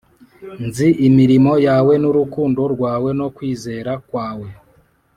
‘Nzi imirimo yawe n’urukundo rwawe no kwizera kwawe,